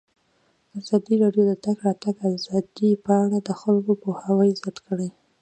ازادي راډیو د د تګ راتګ ازادي په اړه د خلکو پوهاوی زیات کړی.